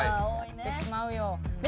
やってしまうよ。